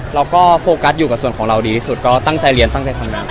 เราก็โฟกัสอยู่กับส่วนของเราดีที่สุดก็ตั้งใจเรียนตั้งใจทำนั้น